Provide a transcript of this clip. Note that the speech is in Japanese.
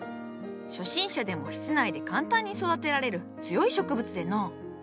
初心者でも室内で簡単に育てられる強い植物での。